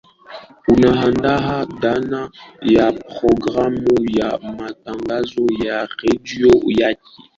unaandaa dhana ya programu ya matangazo ya redio yako